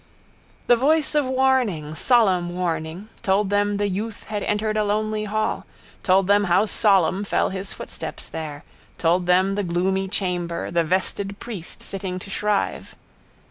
The voice of warning, solemn warning, told them the youth had entered a lonely hall, told them how solemn fell his footsteps there, told them the gloomy chamber, the vested priest sitting to shrive.